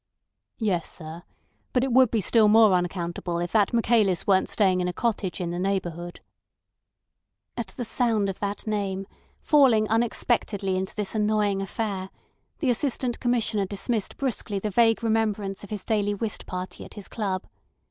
"Yes, sir. But it would be still more unaccountable if that Michaelis weren't staying in a cottage in the neighbourhood." At the sound of that name, falling unexpectedly into this annoying affair, the Assistant Commissioner dismissed brusquely the vague remembrance of his daily whist party at his club.